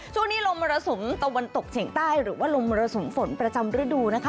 ช่วงนี้ลมมรสุมตะวันตกเฉียงใต้หรือว่าลมมรสุมฝนประจำฤดูนะคะ